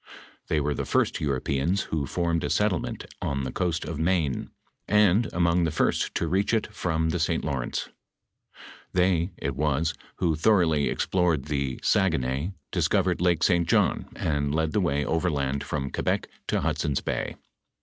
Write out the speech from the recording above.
They were the firet Europeans who formed a settlement on the coast of Maine, and among the first to reach it from tlie St. Lawrence. They, it was, who thoroughly explored the Saguenay, dis covered Lake St. John, and led the way overland from Que bec to Hudson's bay.